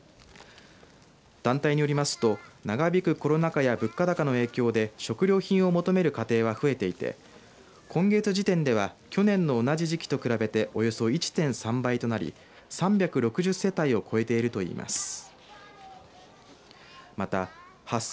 団体によりますと長引くコロナ禍や物価高の影響で食料品を求める家庭は増えていて今月時点では去年と同じ時期と比べておよそ１．３倍となり３６０世帯を超えているといいます。